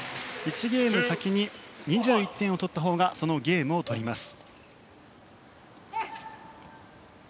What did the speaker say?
１ゲームで先に２１点を取ったほうがそのゲームを取ります。